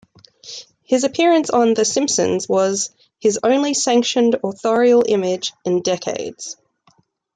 His appearance on The Simpsons was "his only sanctioned authorial image in decades".